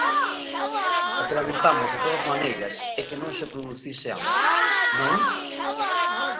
O que lamentamos de todas maneiras é que non se producise antes, ¿non?